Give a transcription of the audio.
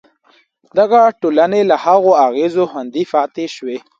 دغه ټولنې له هغو اغېزو خوندي پاتې شوې.